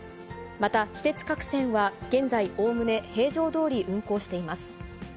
また、私鉄各線は現在、おおむね平常どおり運行しています。